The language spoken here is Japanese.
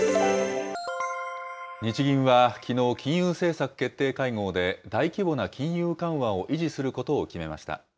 日銀はきのう、金融政策決定会合で、大規模な金融緩和を維持することを決めました。